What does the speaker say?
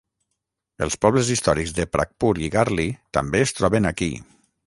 Els pobles històrics de Pragpur i Garli també es troben aquí.